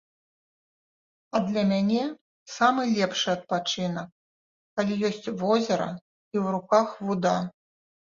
А для мяне самы лепшы адпачынак, калі ёсць возера і ў руках вуда.